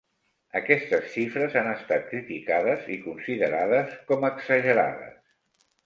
Aquestes xifres han estat criticades i considerades com exagerades.